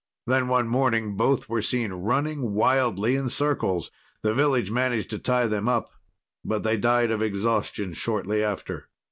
Then one morning both were seen running wildly in circles. The village managed to tie them up, but they died of exhaustion shortly after.